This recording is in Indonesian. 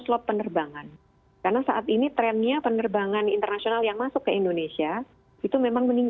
slot penerbangan karena saat ini trennya penerbangan internasional yang masuk ke indonesia itu memang